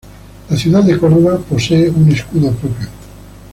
La ciudad de Córdoba posee un escudo propio.